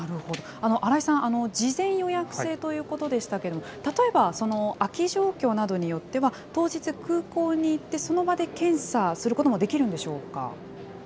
新井さん、事前予約制ということでしたけれども、例えば空き状況などによっては、当日、空港に行ってその場で検査することもできるんでしょうか。